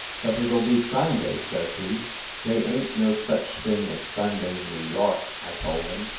"But it ll be Sunday," says he. "They ain t no such thing as Sunday in New York!" I told him.